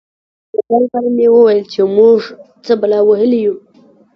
له ځان سره مې ویل چې موږ څه بلا وهلي یو.